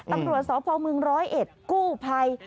อัตรวจสาวพลเมืองร้อยเอ็ดกู้ภัย